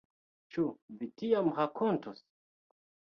Ĉu vi tiam rakontos?